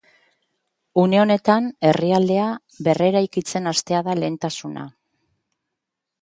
Une honetan, herrialdea berreraikitzen hastea da lehentasuna.